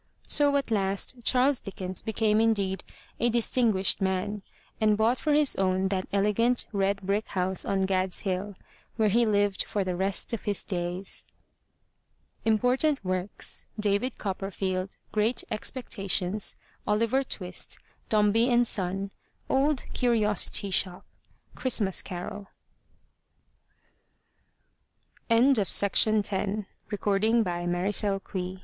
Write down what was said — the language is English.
So, at last, Charles Dickens became indeed a distinquished man," and bought for his own that elegant, red brick house on Gad's Hill, where he lived for the rest of his days. Important Works: David Copperfield Great Expectations Oliver Twist Dombey and Son Old Curiosity Shop Christmas Carol 87 MY BOOK HOUSE DICKINSON, EMILY (American, 1830